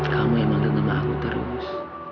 kamu yang memanggil nama aku terus